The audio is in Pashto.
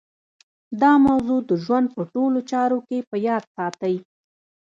دا موضوع د ژوند په ټولو چارو کې په ياد ساتئ.